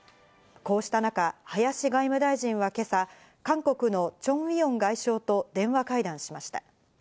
こうした中、林外務大臣は今朝、韓国のチョン・ウィヨン外相と電話会談しました。